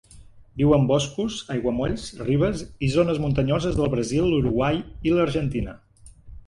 Viu en boscos, aiguamolls, ribes i zones muntanyoses del Brasil, l'Uruguai i l'Argentina.